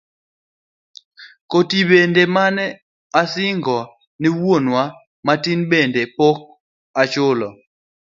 Koti bende mane asingo ne wuonwa matin bende pok achulo.